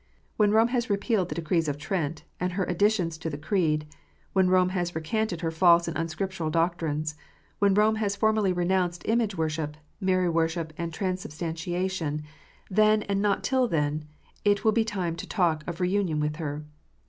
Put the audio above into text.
When Rome has repealed the decrees of Trent, and her additions to the Creed, when Rome has recanted her false and unscriptural doctrines, when Rome has formally renounced image worship, Mary worship, and transubstantiation, then, and not till then, it will be time to talk of re union with her.